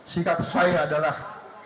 sikap saya adalah